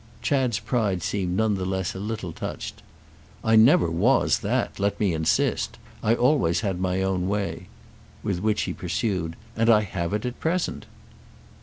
Chad's pride seemed none the less a little touched. "I never was that—let me insist. I always had my own way." With which he pursued: "And I have it at present."